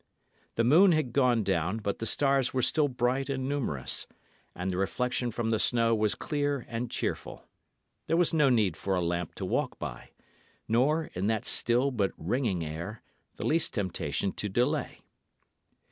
The moon had gone down, but the stars were still bright and numerous, and the reflection from the snow was clear and cheerful. There was no need for a lamp to walk by; nor, in that still but ringing air, the least temptation to delay.